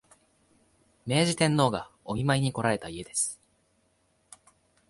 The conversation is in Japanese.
明治天皇がお見舞いにこられた家です